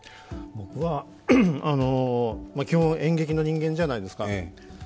僕は、基本演劇の人間じゃないですか。